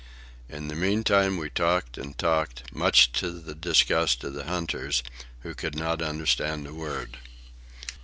In the meantime we talked and talked, much to the disgust of the hunters, who could not understand a word.